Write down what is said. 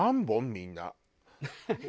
みんな。